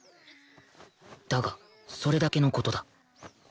だがそれだけの事だ